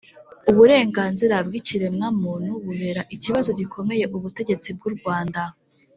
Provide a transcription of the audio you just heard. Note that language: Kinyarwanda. uburenganzira bw'ikiremwamuntu bubera ikibazo gikomeye ubutegetsi bw'u rwanda.